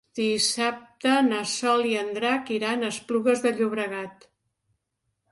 Dissabte na Sol i en Drac iran a Esplugues de Llobregat.